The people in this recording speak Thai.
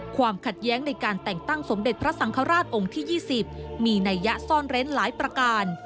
ความขัดแย้งในการแต่งตั้งสมเด็จพระสังฆราชองค์ที่๒๐มีนัยยะซ่อนเร้นหลายประการ